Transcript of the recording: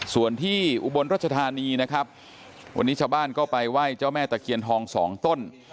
ส่วนที่อุบลรัชธานีนะครับวันนี้ชาวบ้านก็ไปไหว้เจ้าแม่ตะเคียนทองสองต้น